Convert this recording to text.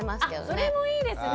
あそれもいいですね。